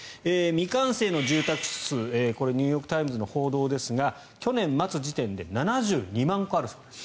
未完成の住宅数これはニューヨーク・タイムズの報道ですが去年末時点で７２万戸あるそうです。